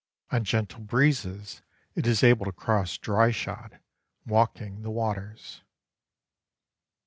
On gentle breezes it is able to cross dry shod, walking the waters.